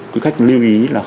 quý khách lưu ý là